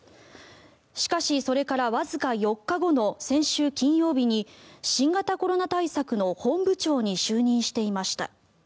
しかしそれからわずか４日後の先週金曜日に新型コロナ対策の本部長に就任していました。